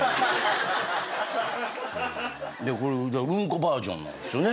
これウンコバージョンなんですよね。